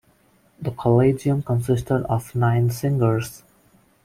The Collegium consisted of nine singers.